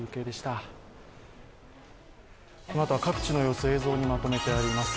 このあとは各地の様子、映像にまとめてあります。